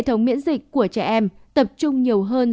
hệ thống miễn dịch thích ứng mất nhiều thời gian hơn để bắt đầu tạo phản ứng